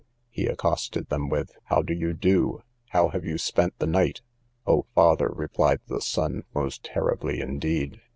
He accosted them with, How do you do? how have you spent the night? O father, replied the son, most terribly indeed.